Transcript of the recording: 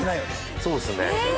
そうですね。